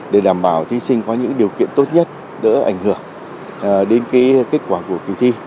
để đảm bảo thí sinh có những điều kiện tốt nhất đỡ ảnh hưởng đến kết quả của kỳ thi